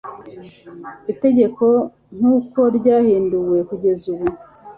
itegeko nk'uko ryahinduwe kugeza ubu